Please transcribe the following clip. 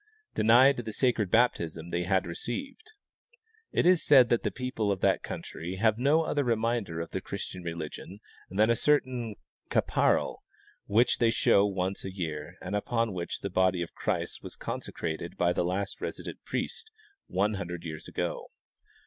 denied the sacred baptism the.y had received. It is said that the people of that country have no other reminder of the Christian religion than a certain capa ral which they show once a year and upon which the body of Christ was consecrated by the last resident priest, one hundred years ago.